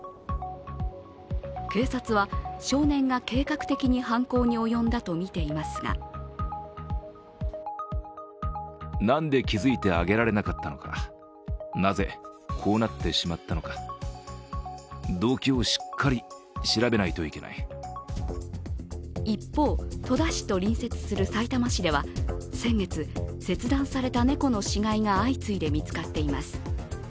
警察は少年が計画的に犯行に及んだとみていますが一方、戸田市と隣接するさいたま市では先月、切断された猫の死骸が相次いで見つかっています。